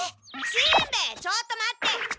しんべヱちょっと待って。